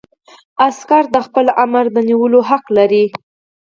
عسکر د خپل آمر د نیولو حق لري.